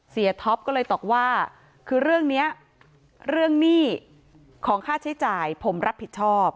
ท็อปก็เลยตอบว่าคือเรื่องนี้เรื่องหนี้ของค่าใช้จ่ายผมรับผิดชอบ